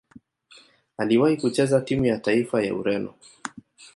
Aliwahi kucheza timu ya taifa ya Ureno.